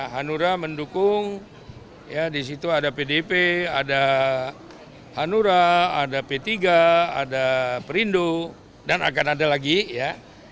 hanura mendukung ya di situ ada pdp ada hanura ada p tiga ada perindo dan akan ada lagi ya